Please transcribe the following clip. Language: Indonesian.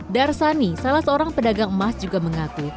darsani salah seorang pedagang emas juga mengaku